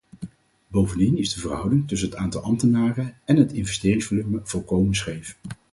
Bovendien is de verhouding tussen het aantal ambtenaren en het investeringsvolume volkomen scheef.